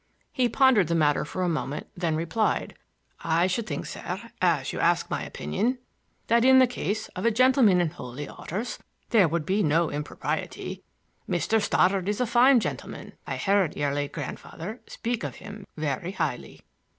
He pondered the matter for a moment, then replied: "I should think, sir,—as you ask my opinion,—that in the case of a gentleman in holy orders there would be no impropriety. Mr. Stoddard is a fine gentleman; I heard your late grandfather speak of him very highly."